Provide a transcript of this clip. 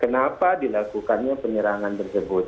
kenapa dilakukannya penyerangan tersebut